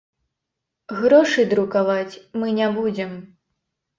Грошы друкаваць мы не будзем.